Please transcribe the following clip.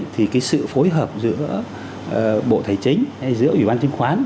thì cái sự phối hợp giữa bộ tài chính hay giữa ủy ban chứng khoán